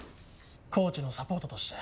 コーチのサポートとして。